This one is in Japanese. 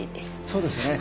そうですよね。